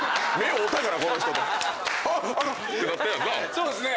そうですね。